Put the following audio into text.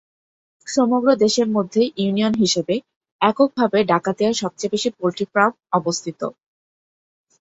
সমগ্র দেশের মধ্যে ইউনিয়ন হিসেবে এককভাবে ডাকাতিয়ায় সবচেয়ে বেশি পোল্ট্রি ফার্ম অবস্থিত।